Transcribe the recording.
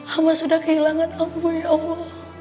amba sudah kehilangan ambu ya allah